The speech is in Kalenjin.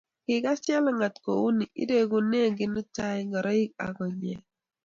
Kikas Jelagat kouni irekune Kinutai ngoroik ak konyek